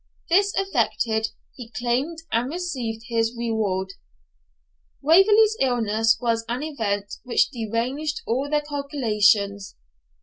This effected, he claimed and received his reward. Waverley's illness was an event which deranged all their calculations.